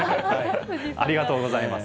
ありがとうございます。